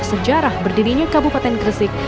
sejarah berdirinya kabupaten gersik